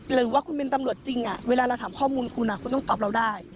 หรือว่าคุณเป็นตำรวจจริงเวลาเราถามข้อมูลคุณคุณต้องตอบเราได้